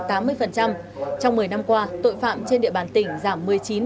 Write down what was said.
trong một mươi năm qua tội phạm trên địa bàn tỉnh giảm một mươi chín